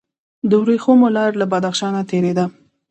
د ورېښمو لاره له بدخشان تیریده